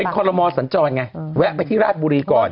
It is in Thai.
เป็นคนมาสรรภัยไงแวะไปที่ราชบุรีก่อน